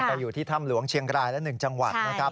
อยู่ที่ถ้ำหลวงเชียงรายและ๑จังหวัดนะครับ